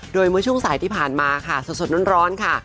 โดยเมื่อช่วงสายที่ผ่านมาค่ะสดร้อนค่ะ